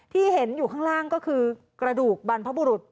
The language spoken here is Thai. ที่เห็นอยู่ข้างล่างก็คือกระดูกบรรพบุรุษ